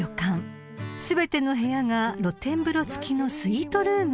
［全ての部屋が露天風呂付きのスイートルーム］